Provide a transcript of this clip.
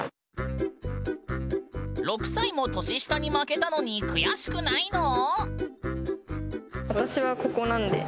６歳も年下に負けたのに悔しくないの？